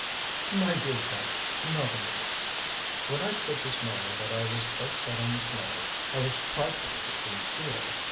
"My dear chap! Not in the least. When I said this morning that I was quite set on this marriage, I was frightfully sincere."